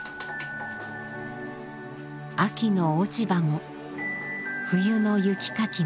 秋の落ち葉も冬の雪かきも。